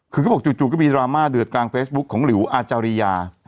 คือเขาบอกจู่ก็มีดราม่าเดือดกลางเฟซบุ๊คของหลิวอาจาริยา